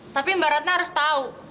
tapi mbak ratna harus tahu